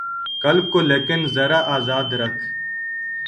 قلب کو لیکن ذرا آزاد رکھ